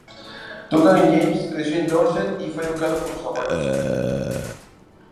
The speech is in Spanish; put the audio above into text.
Duncan James creció en Dorset y fue educado por sus abuelos.